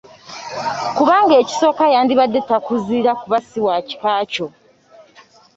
Kubanga ekisooka yandibadde takuzira kuba si wa kika kyo.